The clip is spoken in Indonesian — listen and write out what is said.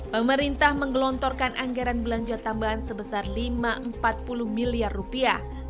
pemerintah menggelontorkan anggaran belanja tambahan sebesar lima ratus empat puluh miliar rupiah